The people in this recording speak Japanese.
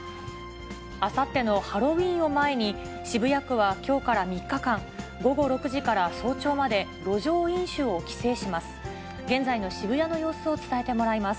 あさってのハロウィーンを前に、渋谷区はきょうから３日間、午後６時から早朝まで、路上飲酒を規制します。